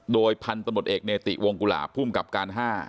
โดยพันธุ์ตำรวจเอกเนติวงกุหลาบภูมิกับการ๕